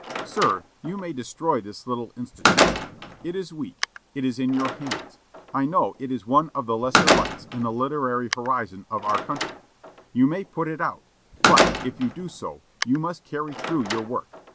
Sir, you may destroy this little institution; it is weak; it is in your hands! I know it is one of the lesser lights in the literary horizon of our country. You may put it out. But, if you do so, you must carry through your work!